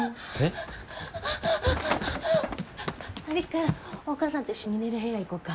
璃久お母さんと一緒に寝る部屋行こうか。